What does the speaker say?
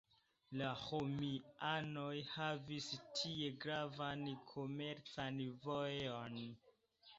La romianoj havis tie gravan komercan vojon.